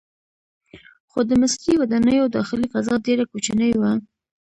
خو د مصري ودانیو داخلي فضا ډیره کوچنۍ وه.